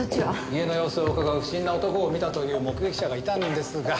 家の様子をうかがう不審な男を見たという目撃者がいたんですが。